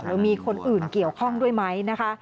หรือมีคนอื่นเกี่ยวข้องด้วยไหมนะคะ